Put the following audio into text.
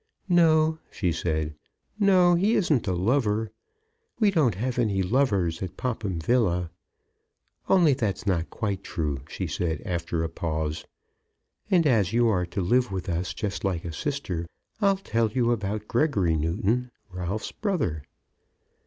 "No," she said; "no; he isn't a lover. We don't have any lovers at Popham Villa." "Only that's not quite true," she said, after a pause. "And as you are to live with us just like a sister, I'll tell you about Gregory Newton, Ralph's brother."